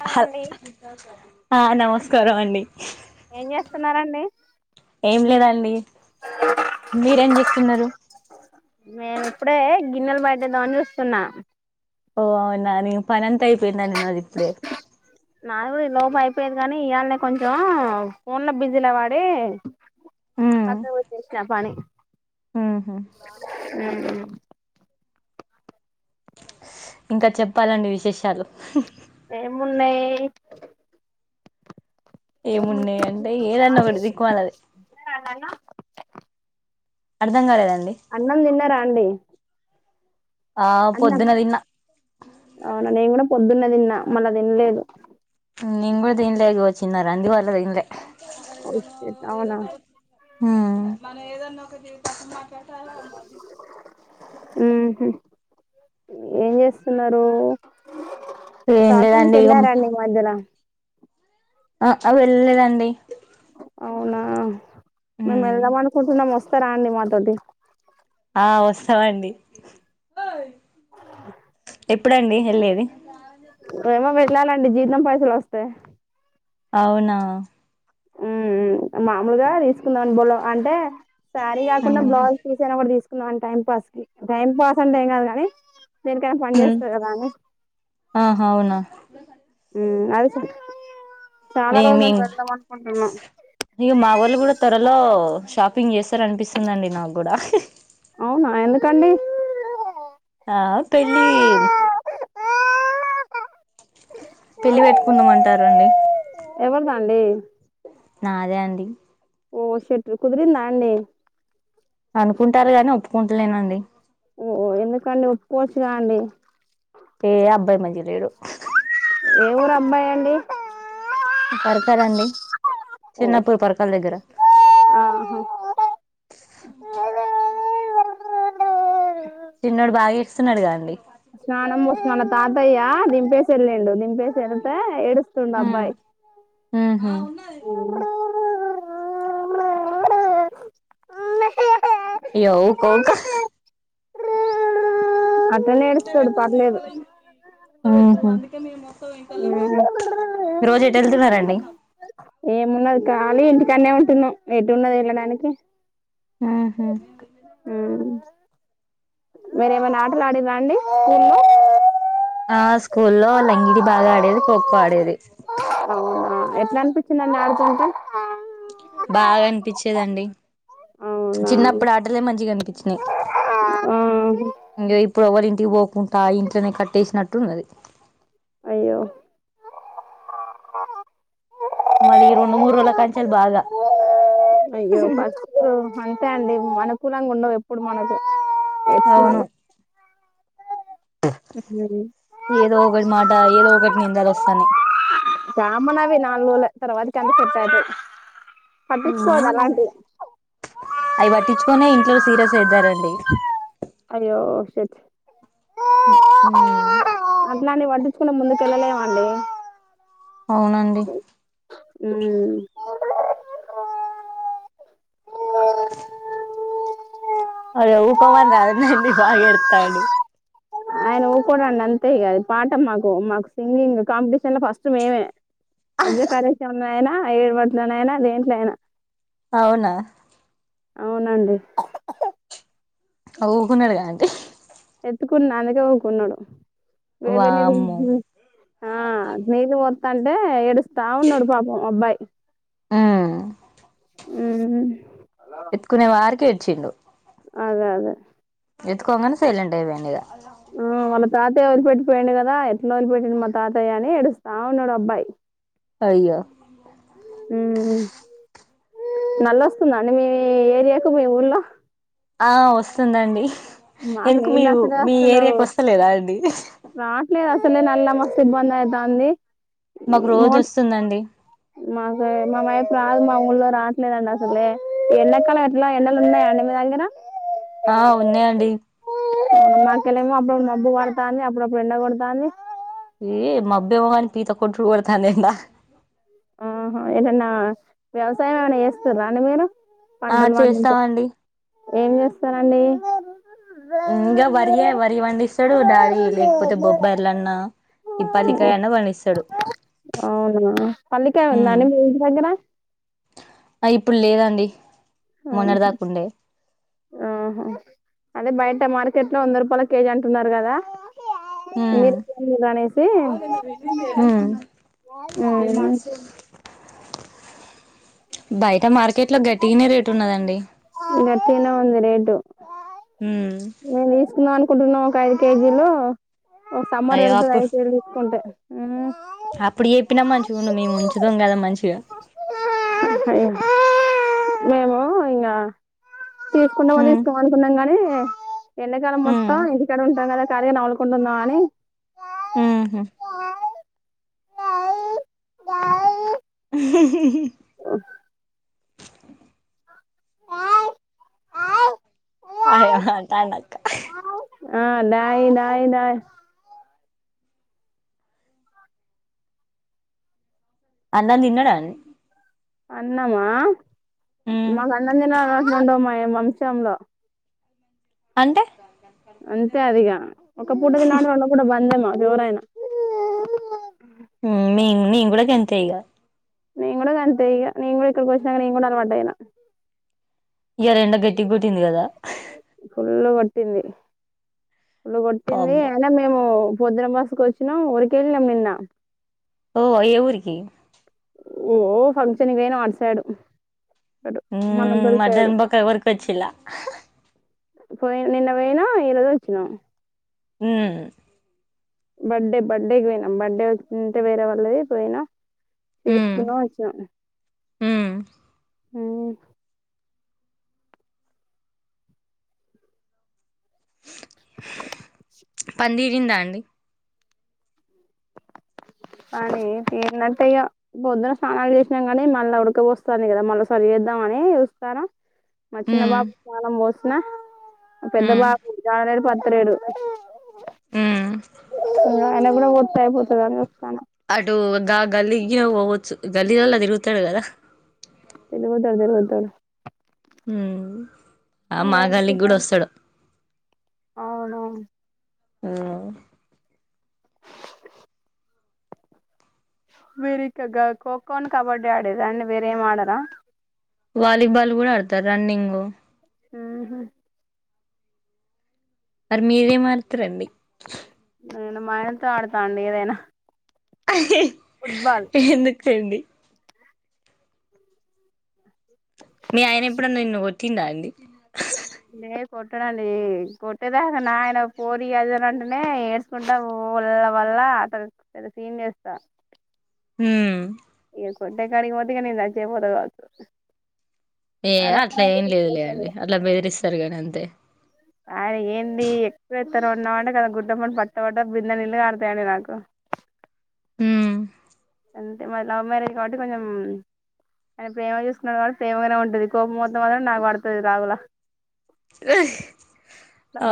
నమస్కారమండి ఆహ్ నమస్కారం అండి. ఏం జేస్తున్నారండి అండి మీరేం జేస్తున్నారు నేను ఇప్పుడే గిన్నెలు బయటేద్దమని జూస్తున్నా ఓ అవునా నేను పనంత అయిపోయింది అండి నాది ఇప్పుడే నాది గూడా ఈలోప అయిపోయేది గనీ ఇయాళనే కొంచెం ఫోన్ లో బిజీలొ పడి ఉమ్ పక్కవొచ్చేసిన పని ఉహు ఇంకా చెప్పాలండి విశేషాలు ఏమున్నాయి ఏమున్నాయి అంటే ఏదన్నా ఒకటి దిక్కుమాలది అర్ధంగాలేద అన్నం దిన్నారా అండి ఆ అన్నం పొద్దున తిన్నా అవునా నేను కూడా పొద్దున్న దిన్నా మళ్ళా దిన్లేదు నేన్ గుడ దిండ్లేదు [unintelligible] ఓ షట్ అవునా హు ఊ హు ఏం చేస్తున్నారు ఏం షాపింగ్ లేదండి ఇగ కెళ్లారా అండి ఈ మధ్యన ఆ అవ్ వెళ్ళలేదండి అవునా మేము ఉమ్ వెళ్దాం అనుకుంటున్నాం వస్తారా అండి మాతోటి ఆ వస్తవ అండి ఎప్పుడండి హెళ్ళేది ఇప్పుడేమొ వెళ్ళాలండి జీతం పైసలు వస్తే అవునా ఊ ఉ మామూలుగా తీసుకుందాం అని బోల అంటే శారీ గాకున్న బ్లౌజ్ పీసైనా ఒకటి తీసుకుందాం అని టైం పాస్ కి టైం పాస్ అంటే ఏం కాదు గానీ దేనికైనా పని చేస్తాది కదా అని ఆహా అవునా ఊ అది చాలా నేన్ రోజుల నుండి మేమ్ వెళ్దాం అనుకుంటున్నా ఇంగ మా వొళ్ళు గూడ త్వరలో షాప్ పింగ్ చేస్తారు అనిపిస్తుందండి నాక్ గూడా అవునా ఎందుకండి ఆ పెళ్ళి పెళ్లి వెట్టుకుందాం అంటారు అండి ఎవరిదండి నాదే అండి ఓషట్ కుదిరిందా అండి అనుకుంటారు గాని ఒప్పుకుంటలేనండి ఓ ఎందుకండి ఉప్పుకోచ్చుగా అండి ఏ అబ్బాయ్ మంచిగ లేడు ఏ ఊరు అమ్మయండి. పరకాలండి ఓష్ చిన్నపూర్ పరకాల్ దగ్గర ఆహా స్తున్నాడుగా అండి స్నానం పోష్న వల్ల తాతయ్య దింపేశ్ ఎల్లిండు, దింపేశ్ ఎల్తే ఏడుస్ స్తుండబ్బాయి ఉహు ఉహ్ ఇగ ఊక ఊక అట్లనే ఏడుస్తాడు పర్లేదు ఉహ్ హు రోజేటేళ్తున్నారంండి? కాన్నే ఉంటున్నాం ఎటున్నది ఎళ్ళడానికి ఆహ ఉమ్ మీరేమైనా ఆటలు ఆడిరాండి. ఆ స్కూల్లో లంగిడి బాగా ఆడేది, ఖోఖో ఆడేది. ననిపించి నన్న ఆడుకుంటా బాగా అనిపించేదండి. అవునా చిన్నప్పుడు ఆటలే మంచిగా అనిపించినాయి. ఆ ఇంగా ఇప్పుడు ఎవల్ ఇంటికి పోకుండా ఇంట్లోనే కట్టేసినట్టున్నది. అయ్యో మళ్లీ ఈ రెండు మూర్ రోల్ల కాంచేల్ బాగా అయ్యో పస్ట్. అంతే అండి మానుకూలంగా ఉండవు ఎప్పుడు మనకు. ఎప్పుడు అవును ఉమ్. ఏదో ఒకటి మాట ఏదో ఒకటి నిందాలోస్తానాయి. జమనావే నాలు ర్లోలే తర్వాత్కి అనిసెట్తాయి. పట్టిిచుకోవ్దు అలాంటి. అవి పట్టించుకనే ఇంట్లోల్ సీరియస్ అయిదారండి. అయ్యో షాట్ ఉహ్ ఉమ్ దన్ని పట్టిచుకున ముందుకేళ్ళలేమండి అవునండి ఉహ్ ఉహ్మ్ అయో ఊకోమన్రాదన్నండి. బాగా ఎడ్తాండు ఆయన ఊకోడండి అంతే. ఇగాది పాట మాకు మాకు సింగింగ్ కాంపిటీషన్ లో ఫస్ట్ మేమే అజకళేశ్వంయినా, ఎడ్వట్లనైనా, దేంట్లయినా. అవునా అవునండి అగో ఊకున్నాడుగా అండి ఎత్తుకున్నా అందుకే ఊకున్నాడు. వేడ్ వేడ్ నీళ్లు. వామ్మో ఆ నీళ్ళు పొత్తా అంటే ఏడుస్ తా ఉన్నడు పాపం అబ్బాయ్. ఆ ఉహ్మ్ ఎత్తుకునే వారికి ఏడ్చిండు. అదే అదే ఎత్తుకొంగనే సైలేంటయిపోయిండిగా. ఆ వాళ్ళ తాతయ్య వదిల్పెట్టిపోయిండు గదా. ఎట్లా వదిలిపెట్టిండు మా తాతయ్య అని ఏడుస్తా ఉన్నాడు అబ్బాయ్. అయ్యో ఉహ్ హు నల్లొస్తుంద అండి. మీ ఏరియాకు మీ ఊల్లో ఆ వస్తుందండి. మాకు ఎందుకు మీ నీళ్ళు ఊ అసలే మీ అసలు ఏరియాకోస్తలేదా అండి. నేనన్నా మస్తు ఇబ్బంది అయితంది మాకు రోజు మామిడికాయ వస్తుందండి మా వైఫ్ కాదు మా ఊర్లో రావాట్లేదండి అసలే ఎండాకాలంలో ఎట్లనో ఎండలు ఉన్నాయా అండి మీదగ్గర ఆ ఉన్నాయంండి మాకెళ్ళమో అప్పుడప్పుడు మబ్బు పడుతంది అప్పుడప్పుడు ఎండ కొడుతంది ఈ మబ్బేమోగానీ ఇంత కొట్టుడు కొడుతాంది ఏందిరా ఆహా ఏదన్నా వ్యవసాయం ఏమన్నా చేస్తారా మీరు ఆ పంటలు పండించ చేస్తామండి ఏం చేస్తరండి ఇంగా వరి పండిస్తాడు అది లేకపోతే బొబ్బార్లన్న ఈ పల్లికాయన్న పండిస్తాడు అవునా పల్లికాయ ఉందా ఉమ్ అండి. మీ ఇంటి దగ్గర ఆ ఇప్పుడు లేదండి. ఉహ్ మొన్నటి హు దాకా ఉండే ఆహ అదే బయాట్ మామిడికాయ మార్కెట్ లో వంద రూపాయల కేజీ అంటున్నారు కదా ఉమ్ మీరపని రా కొనేసి ఇది మార్చు బయట మార్కెట్ లో గట్టిగానే రేటు ఉన్నదండి గట్టిగనే ఉంది రేటు ఉమ్ నేను తీసుకుందాం అనుకుంటున్నా ఒక ఐదు కేజీలు ఓ సమ్మర్ అయ్యో ఎల్తది అప్పుడు అయిదు కిలోలు తీసుకుంటే అప్పుడు చెప్పినా మంచిగా ఉండు మేము ఉంచుదుం కదా మంచిగా మేము ఇంగా తీసుకుంటామో ఉమ్ తీసుకోమో అనుకున్నాం కాని ఎండాకాలం ఉమ్ మొత్తం ఇంటి కాడ ఉంటాం కదా సరే ఇగా కొందున అని మ్మ్ హ్ హుహుహు మ్మ్ హాయ్ అంటన్ల అక్క ఆ లాయ్ లాయ్ లాయ్ అన్నం తిన్నాడనే అన్నమా ఉమ్ మాకు అన్నం తినేఅలవాట్లు ఉండవు మా వంశంలా అంటే అంతే అదిగా ఒక పూట తినడం వల్ల కూడా బందె ఎవరయినా అంతేగా నేను కూడా గంతే ఇగా నేను ఇక్కడకు వచ్చినంక అలావాటైనా ఇయాల ఎండ గట్టిగా కొట్టింది కదా ఫుల్లు కొట్టింది ఫుల్లు కొట్టింది అమ్మో అయిన మేము చంద్రమాసుకు వచ్చిన ఒక కేేజి అమ్మిన ఓ ఐదుగురికి ఓ ఓ ఫంక్షన్ పోయినా ఆషాడం మ్మ్ మటన్ బొక్క కొరికి వచ్చిన్ల ఇక్కడ నిన్న పోయిన, ఈరోజు వచ్చినం మ్మ్ హ్హ్ బర్త్డే బర్త్డేకి పోయినాం బర్త్డే ఉంటే వేరే వాళ్ళది పోయినా ఉమ్ చేసుకున్నాం వచ్చినం ఉమ్ పని తీరిందా అండి పని తీర్నట్టే ఇగా పొద్దున స్నానాలు చేసినామ్ కానీ మళ్ళ ఉడకపోస్తంది కదా మళ్ళ ఒకసారి చేద్దామని చూస్తున్న మా చిన్న ఉమ్ బాబుకి స్నానం పోసిన మా పెద్ద ఉమ్ బాబు జనవరి బర్త్డే నే ఉమ్ ఆయనకు కూడా చెప్తా అయిపోతది అని చూస్తాన అటు ఒగ్గు తినుకుంటా తిరుగుతం హ్మ్ ఆ మాగల్లికి కూడా తిరుగుతాండు వస్తాడు అవును ఆ మీరుఇగ్గ గా కో కో అని కబడ్డీ ఆడేదా అండి వేరేం ఆడరా వాలీబాల్ కూడా ఆడుతా రన్నింగ్ హ్మ్ హు మరి మీరేం ఆడుతారు అండి నేను మాయనతో ఆడతా అండి ఏదైనా హా హ్ హు ఫుట్బాల్ చేయండి మీ ఆయన ఎప్పుడన్న నిన్ను కొట్టిందా అండి లే కొట్టడండి కొట్టేదాకా నాయన పోరి అదనంటేనే ఏడ్చకుంటా పో పొలాల వల్ల అతనికి పెద్ద సిన్ చేస్తా హ్మ్ ఇ కొట్టే కాడికి పోతే నేను సచ్చే పోత కావచ్చు ఏ అట్లా ఏం లేదులే అండి అట్లా బెదిరిస్తారు గానీ అంతే ఆయ్ ఏంది ఎక్కువ చేతన్నావ్ అన్నామంటే కదా [unintelligible] పట్ట పడ్డ బిందె నీళ్ళు కారుతాయ్ అండి నాకు ఉమ్ అంతే మాది లవ్ మేరేజ్ కాబ్బటి కొంచం ఆయన ప్రేమగ చూసుకున్నడు ప్రేమగానే ఉంటది కోపం మొత్తం మాత్రం నాకు పడతది రావుల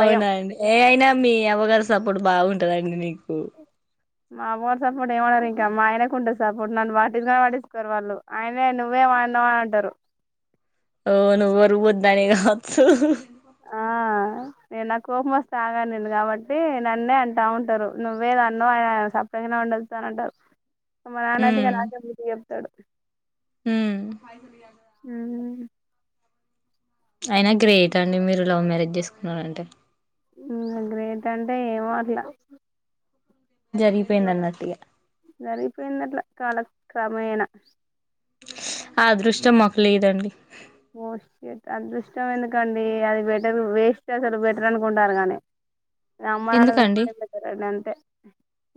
భయం అండి ఏ అయినా మీ అవ [unintelligible] సపోర్ట్ బాగుంటందండి నీకు మా వారు సపోర్ట్ ఏమనరు ఇంకా మా ఆయనకుంటారు సపోర్ట్ నన్ని పట్టించుకొనే పాటించుకోరుకుంటూ వాళ్ళు ఆయనే నువ్వే [unintelligible] అంటారు భలే వాచ్చు ఆ నేను నా కోపం వస్తే ఆగాను నేను కాబట్టి నన్నే అంటా ఉంటారు నువ్వే ఏదో అన్నావ్ ఆయన సప్పడ నా ఉండస్తానంటారు మా నాన్న అయితే ఉమ్ నాకే బుద్ధి చెప్తాడు ఉమ్ హ్మ్ అయినా గ్రేట్ అండి మీరు లవ్ మ్యారేజ్ చేసుకున్నారంటే హ్మ్ గ్రేట్ అంటే ఏమో అట్లా జరిగిపోయింది అన్నట్టుగా జరిగిపోయింది అట్లా కాలక్రమేణ అదృష్టం మాకు లేదండి హో షట్ అదృష్టం ఎందుకండి అది బెటర్ వేస్ట్ అసలు బెటర్ అనుకుంటారు గానీ అమ్మా నాన్న ఎందుకండి చూసిందే బెటర్ ఏంది అంతే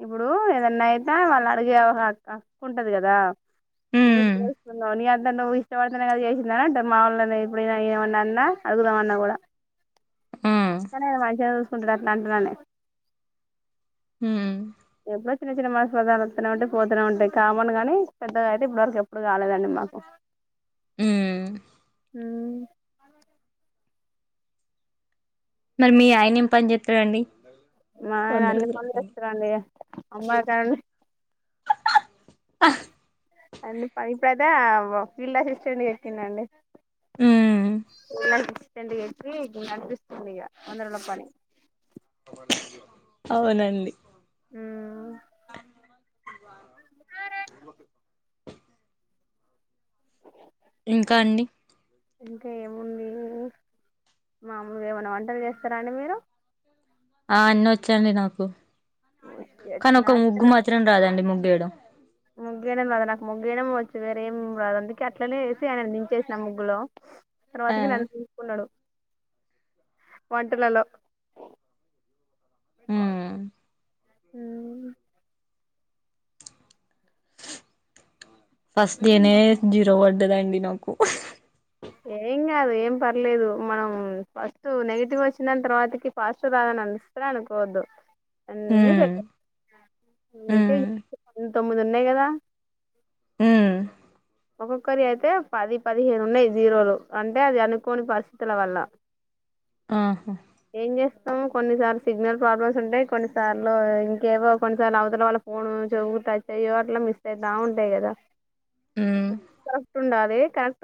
ఇప్పుడు ఏదన్నా అయినా వాళ్ళు అడిగే ఒక హక్కు ఉంటది కదా ఇప్పుడు హ్మ్ చే ఇందో ని అంతకు నువ్వు ఇష్టపడుతనే గా చేసింది [unintelligible] మా వొళ్ళని ఎప్పుడైన ఏమన్న అన్న అడుగుదాం అన్న కూడా హ్మ్ అందుకనే మంచిగా చూసుకుంటుండు అట్లా అంటరనే హ్మ్ ఎప్పుడో చిన్న చిన్న మనస్పధాలు వస్తు ఉంటాయి పోతూ ఉంటాయి కామన్ గానీ పెద్దగా అయితే ఇప్పటివరకు ఎప్పుడు కాలేదండి మాకు హ్మ్ హ్మ్ మరి మీ ఆయన ఏం పని చేతడండి మా ఆయన అన్ని పనులు చేస్తారండి అమ్మాయిలు [unintelligible] అన్ని పని ప్రధా ఫీల్డ్ అసిస్టెంట్ చేసిందండీ హ్మ్ ఫీల్డ్ అసిస్ తెెండి గలిపి దీన్ని అనిపిస్తుంది ఇగ వందరలో పని అవునండి ఆ ఇంకా అండి ఇంకా ఏముంది మామూలు ఏమైనా వంటలు చేస్తారా అండి మీరు ఆ అన్న వచ్చండి నాకు కానీ ఒక ముగ్గు మాత్రం రాదండి ముగ్గు బేడం ముగ్గయడం రాదు నాకు ముగ్గేయ వచ్చు వేరేం రాదు అందుకే అట్లనే వసి ఆయనను దించేసిన ముగ్గులో ఆ తర్వాతకి నన్నుుకున్నాడు వంటలలో హ్మ్ హ్మ్ ఫస్ట్ డేనే జీరో పడ్డదండి నాకు ఏం కాదు ఏం పర్లేదు మనం ఫస్ట్ నెగిటివ్ వచ్చిన తర్వాతకి ఫస్ట్ రాద మనసరాను పోదు అన్నీ స హ్మ్ ఇంకా హ్మ్ ప తొమ్మిది ఉన్నాయి కదా హ్మ్ ఒక్కొక్కరి అయితే పది పదిహేను ఉన్నాయి జీరోలు అంటే అది అనుకోని పరిస్థితుల వల్ల [inaudible] ఆహా ఏం చేస్తాం కొన్నిసార్లు సిగ్నల్ ప్రాబ్లమ్స్ ఉంటాయి కొన్నిసార్లు ఇంకేవో కొన్నిసార్లు అవతల వాళ్ల ఫోన్ [unintelligible] అట్లా మిస్ అయితా ఉంటాయి కదా హ్మ్ [unintelligible]